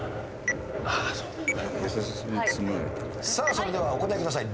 それではお答えください。